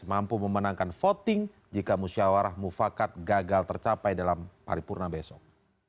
mampu memenangkan voting jika musyawarah mufakat gagal tercapai dalam paripurna besok